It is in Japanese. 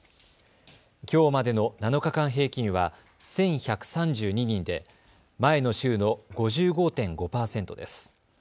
きょうまでの７日間平均は１１３２人で前の週の５５．５％です。